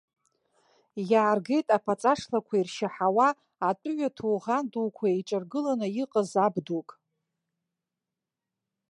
Иааргеит аԥаҵашлақәа иршьаҳауа, атәыҩа ҭоуӷан дуқәа еиҿаргыланы иҟаз аб дук.